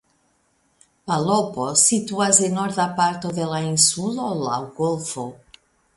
Palopo situas en norda parto de la insulo laŭ golfo.